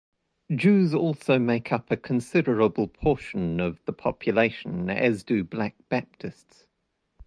Jews also make up a considerable portion of the population, as do Black Baptists.